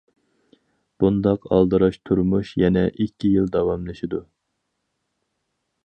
بۇنداق ئالدىراش تۇرمۇش يەنە ئىككى يىل داۋاملىشىدۇ.